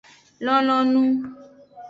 Lonlonu.